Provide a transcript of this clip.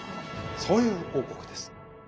そういう王国です。